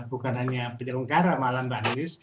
bukan hanya penyelenggara malah mbak ninis